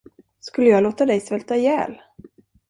Skulle jag låta dig svälta ihjäl?